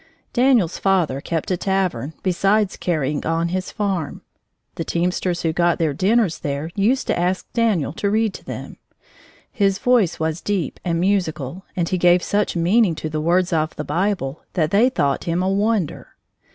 Daniel's father kept a tavern, besides carrying on his farm. The teamsters who got their dinners there used to ask Daniel to read to them. His voice was deep and musical, and he gave such meaning to the words of the Bible that they thought him a wonder.